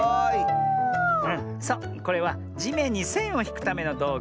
そうこれはじめんにせんをひくためのどうぐ。